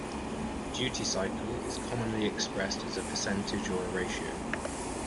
Duty cycle is commonly expressed as a percentage or a ratio.